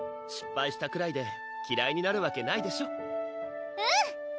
失敗したくらいできらいになるわけないでしょうん！